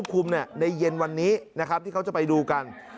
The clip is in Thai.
คุมในเย็นวันนี้นะครับที่เขาจะไปดูกัน